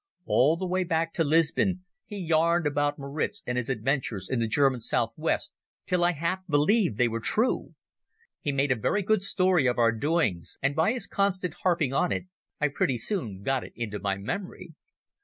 All the way back to Lisbon he yarned about Maritz and his adventures in German South West till I half believed they were true. He made a very good story of our doings, and by his constant harping on it I pretty soon got it into my memory.